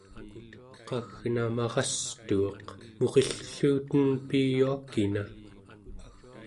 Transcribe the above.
qagna marastuuq, murilkelluten piyuakina